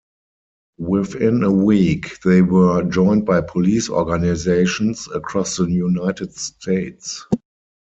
Within a week, they were joined by police organizations across the United States.